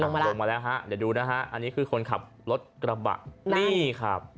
ลงมาลงมาแล้วฮะเดี๋ยวดูนะฮะอันนี้คือคนขับรถกระบะนี่ครับ